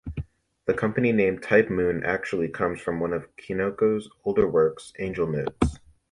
The company name Type-Moon actually comes from one of Kinoko's older works, "Angel Notes".